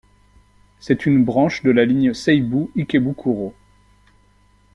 C'est une branche de la ligne Seibu Ikebukuro.